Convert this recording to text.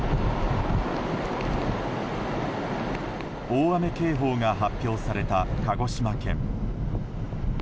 大雨警報が発表された鹿児島県。